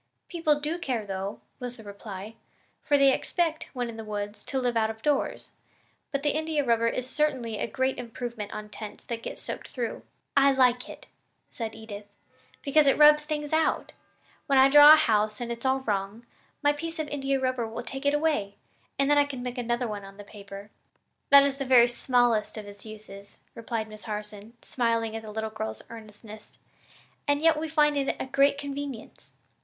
"People do care, though," was the reply, "for they expect, when in the woods, to live out of doors; but the India rubber is certainly a great improvement on tents that get soaked through." "I like it," said Edith, "because it rubs things out. When I draw a house and it's all wrong, my piece of India rubber will take it away, and then I can make another one on the paper." "That is the very smallest of its uses," replied Miss Harson, smiling at the little girl's earnestness, "and yet we find it a great convenience.